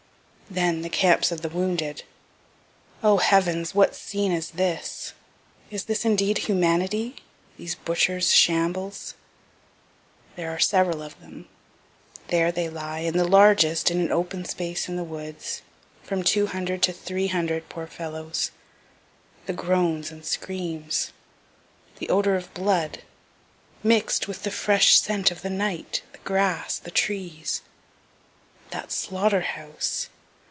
Then the camps of the wounded O heavens, what scene is this? is this indeed humanity these butchers' shambles? There are several of them. There they lie, in the largest, in an open space in the woods, from 200 to 300 poor fellows the groans and screams the odor of blood, mixed with the fresh scent of the night, the grass, the trees that slaughter house!